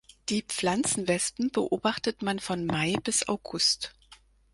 Die Pflanzenwespen beobachtet man von Mai bis August.